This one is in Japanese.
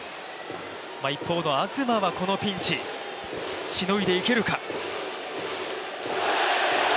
一方の東はこのピンチ、しのいでいけるか。